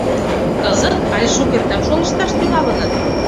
Кызыт але шукертак шолышташ тӱҥалыныт?